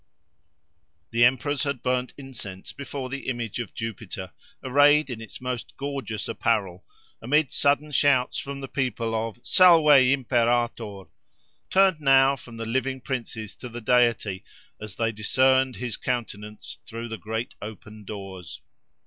The emperors had burned incense before the image of Jupiter, arrayed in its most gorgeous apparel, amid sudden shouts from the people of Salve Imperator! turned now from the living princes to the deity, as they discerned his countenance through the great open doors.